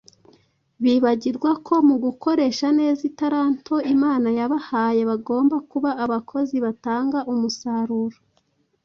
Bibagirwa ko mu gukoresha neza itaranto Imana yabahaye bagomba kuba abakozi batanga umusaruro